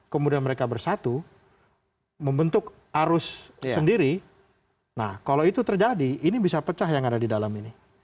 kemudian mereka bersatu membentuk arus sendiri nah kalau itu terjadi ini bisa pecah yang ada di dalam ini